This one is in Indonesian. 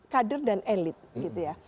kader dan elit gitu ya